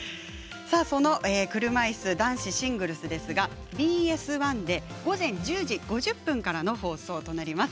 その車いす男子シングルスですがＢＳ１で午前１０時５０分からの放送となります。